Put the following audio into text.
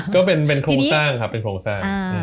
ก็เป็นโครงสร้างครับเป็นโครงสร้าง